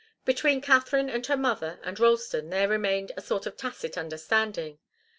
Between Katharine and her mother and Ralston there remained a sort of tacit understanding.